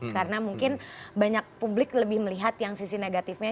karena mungkin banyak publik lebih melihat yang sisi negatifnya